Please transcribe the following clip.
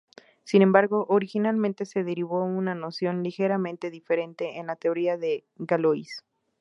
Sin embargo, originalmente se derivó una noción ligeramente diferente en la teoría de Galois.